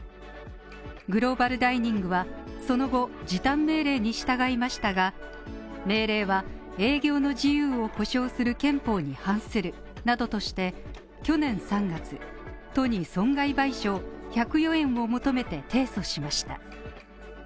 グローバルダイニングはその後、時短命令に従いましたが、命令は営業の自由を保障する憲法に反するなどとして去年３月都に損害賠償１０４円を求めて提訴しました。